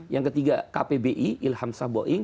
yang ketiga kpbi ilham saboih